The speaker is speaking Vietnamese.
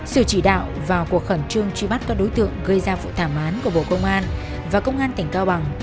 sự chỉ đạo vào cuộc khẩn trương truy bắt các đối tượng gây ra vụ thảm án của bộ công an và công an tỉnh cao bằng